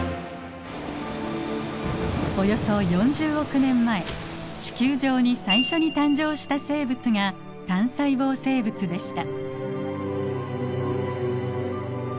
およそ４０億年前地球上に最初に誕生した生物が単細胞生物でした。